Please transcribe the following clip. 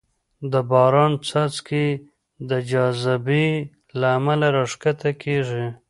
د باران څاڅکې د جاذبې له امله راښکته کېږي.